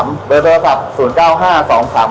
มีโรบิมูททัพสั่งได้เลยนะครับ